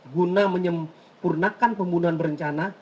guna menyempurnakan pembunuhan berencana